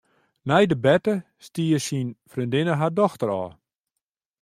Nei de berte stie syn freondinne har dochter ôf.